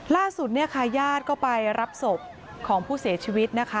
ล่าสุดเนี่ยค่ะญาติก็ไปรับศพของผู้เสียชีวิตนะคะ